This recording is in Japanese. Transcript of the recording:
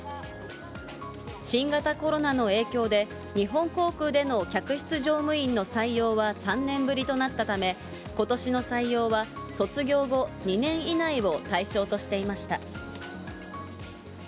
新型コロナの影響で、日本航空での客室乗務員の採用は３年ぶりとなったため、ことしの採用は卒業後２年以内を対象としていました。